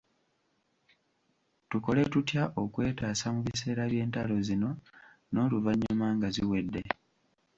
Tukole tutya okwetaasa mu biseera by’entalo zino n’oluvannyuma nga ziwedde?